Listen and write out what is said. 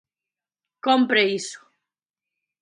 Cómpre iso.